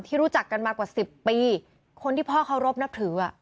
รู้จักกันมากว่าสิบปีคนที่พ่อเคารพนับถือ